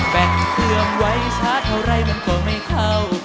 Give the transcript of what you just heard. แบ่งเครื่องไว้ชาร์จเท่าไรมันก็ไม่เข้า